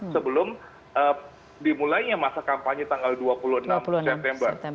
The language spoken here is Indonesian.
sebelum dimulainya masa kampanye tanggal dua puluh enam september